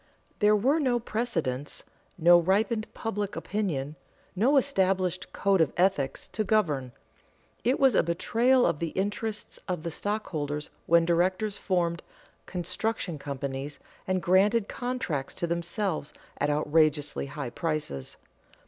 There were no precedents, no ripened public opinion, no established code of ethics, to govern. It was a betrayal of the interests of the stockholders when directors formed "construction companies" and granted contracts to themselves at outrageously high prices.